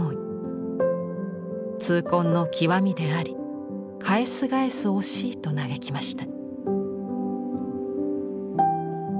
「痛恨の極みであり返す返す惜しい」と嘆きました。